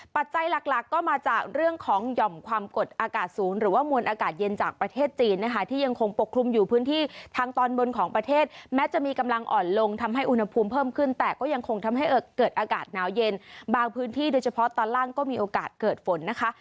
ปัจจัยหลักหลักก็มาจากเรื่องของหย่อมความกดอากาศสูงหรือว่ามวลอากาศเย็นจากประเทศจีนนะคะที่ยังคงปกคลุมอยู่พื้นที่ทางตอนบนของประเทศแม้จะมีกำลังอ่อนลงทำให้อุณหภูมิเพิ่มขึ้นแต่ก็ยังคงทำให้เกิดอากาศหนาวเย็นบางพื้นที่โดยเฉพาะตอนล่างก็มีโอกาสเกิดฝนนะคะ